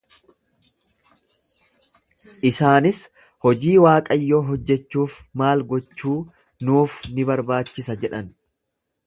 Isaanis, Hojii Waaqayyoo hojjachuuf maal gochuu nuuf ni barbaachisa jedhan.